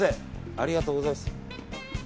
ありがとうございます。